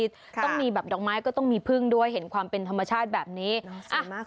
ต้องมีแบบดอกไม้ก็ต้องมีพึ่งด้วยเห็นความเป็นธรรมชาติแบบนี้